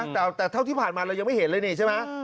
แต่เท่าที่ผ่านมาเรายังไม่เห็นเลยนี่ใช่ไหม